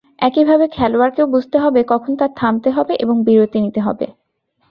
একইভাবে খেলোয়াড়কেও বুঝবে হবে, কখন তার থামতে হবে এবং বিরতি নিতে হবে।